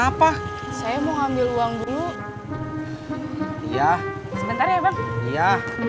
apa saya mau ambil uang dulu iya sebentar ya